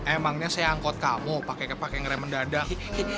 emangnya saya angkot kamu pakai yang rem mendadak